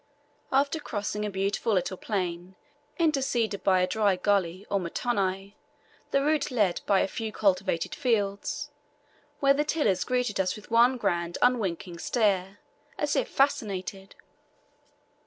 After crossing a beautiful little plain intersected by a dry gully or mtoni, the route led by a few cultivated fields, where the tillers greeted us with one grand unwinking stare, as if fascinated.